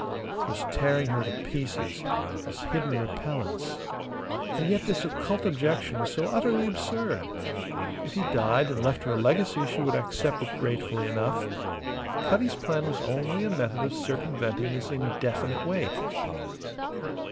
It was tearing her to pieces, this hidden repellence. And yet this occult objection was so utterly absurd. If he died and left her a legacy she would accept it gratefully enough. Cutty's plan was only a method of circumventing this indefinite wait.